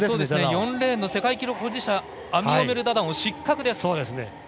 ４レーンの世界記録保持者アミオメル・ダダオン失格です。